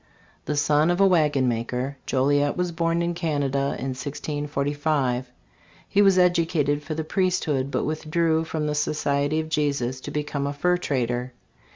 The eon of a wagonmaker, Joliet was born in Canada in 1645. He was educated for the priesthood, but withdrew from the Society of Jesus to be come a fur trader.